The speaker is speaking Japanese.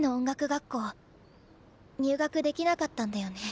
学校入学できなかったんだよね？